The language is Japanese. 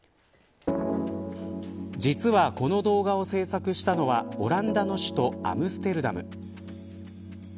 実は、この動画を制作したのはオランダの首都アムステルダム。